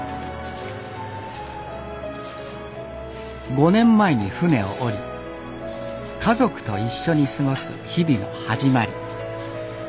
５年前に船を下り家族と一緒に過ごす日々の始まり。